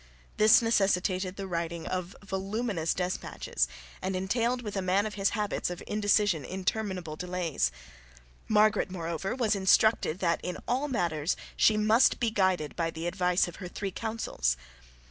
This necessitated the writing of voluminous despatches and entailed with a man of his habits of indecision interminable delays. Margaret moreover was instructed that in all matters she must be guided by the advice of her three councils.